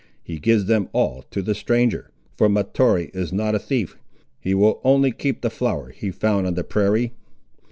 He gives them all to the stranger, for Mahtoree is not a thief; he will only keep the flower he found on the prairie.